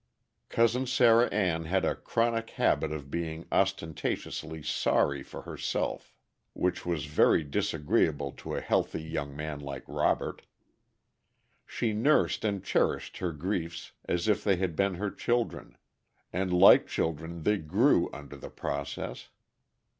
Cousin Sarah Ann had a chronic habit of being ostentatiously sorry for herself, which was very disagreeable to a healthy young man like Robert. She nursed and cherished her griefs as if they had been her children, and like children they grew under the process.